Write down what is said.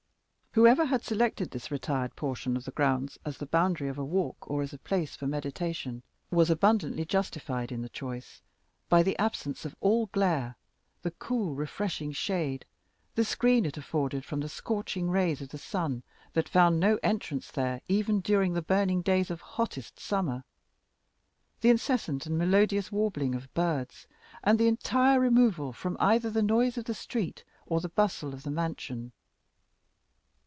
Whoever had selected this retired portion of the grounds as the boundary of a walk, or as a place for meditation, was abundantly justified in the choice by the absence of all glare, the cool, refreshing shade, the screen it afforded from the scorching rays of the sun, that found no entrance there even during the burning days of hottest summer, the incessant and melodious warbling of birds, and the entire removal from either the noise of the street or the bustle of the mansion.